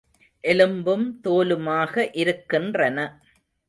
எலும்பும் தோலுமாக இருக்கின்றன.